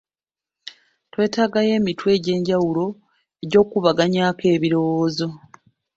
Twetagayo emitwe egy'enjawulo egy’okukubaganyaako ebirowoozo.